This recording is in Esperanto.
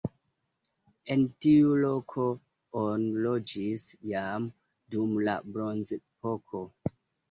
En tiu loko oni loĝis jam dum la bronzepoko.